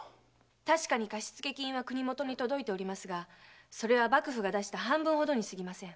確かに貸付金は国許に届いておりますがそれは幕府が出した半分ほどに過ぎません。